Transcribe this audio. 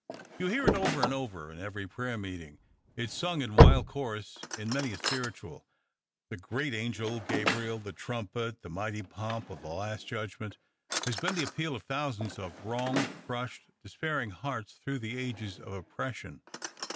You hear it over and over in every prayer meeting. It is sung in wild chorus in many a "spiritual." The great angel Gabriel, the trumpet, the mighty pomp of a last judgment, has been the appeal of thousands of wronged, crushed, despairing hearts through ages of oppression.